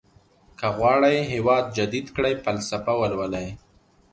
که غواړئ هېواد جديد کړئ فلسفه ولولئ.